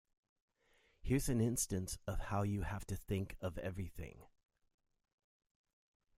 Here's an instance of how you have to think of everything.